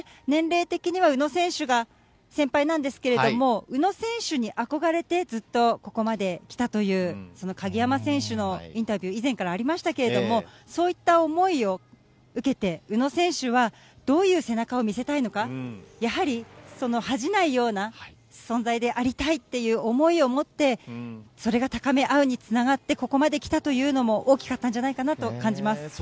年齢的には宇野選手が先輩なんですけれども、宇野選手に憧れて、ずっとここまできたという、鍵山選手のインタビュー、以前からありましたけれども、そういった思いを受けて、宇野選手は、どういう背中を見せたいのか、やはりその恥じないような存在でありたいっていう思いを持って、それが高め合うにつながって、ここまで来たというのも、大きかったんじゃないかなと感じます。